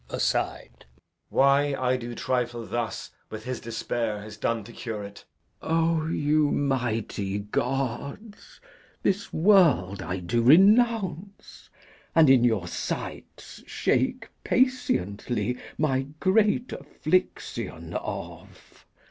Edg. [aside]. Why I do trifle thus with his despair Is done to cure it. Glou. O you mighty gods! He kneels. This world I do renounce, and, in your sights, Shake patiently my great affliction off.